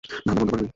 ধান্দা বন্ধ করাবি।